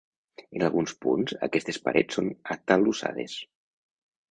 En alguns punts aquestes parets són atalussades.